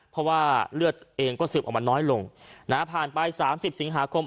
เพราะว่าเลือดเองก็สืบออกมาน้อยลงนะฮะผ่านไป๓๐สิงหาคม